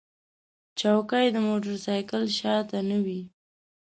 چوکۍ د موټر سایکل شا ته نه وي.